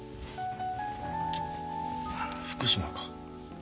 福島か。